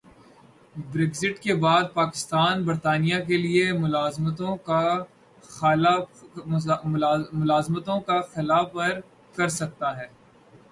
Brexit کے بعد پاکستان برطانیہ کیلئے ملازمتوں کا خلا پر کرسکتا ہے